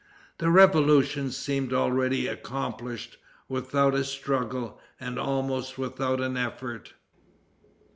The revolution seemed already accomplished without a struggle and almost without an effort.